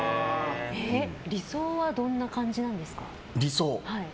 理想はどんな感じなんですか？